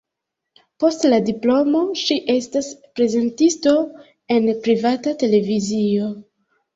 Post la diplomo ŝi estas prezentisto en privata televizio.